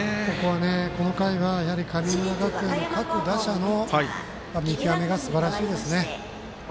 この回は神村学園、各打者の見極めがすばらしいですね。